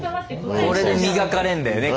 これで磨かれんだよね